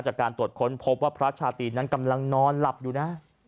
จากการตรวจค้นพบว่าพระชาตรีนั้นกำลังนอนหลับอยู่นะ